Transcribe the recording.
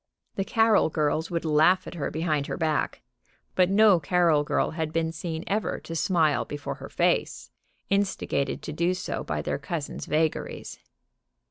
The Carroll girls would laugh at her behind her back, but no Carroll girl had been seen ever to smile before her face, instigated to do so by their cousin's vagaries.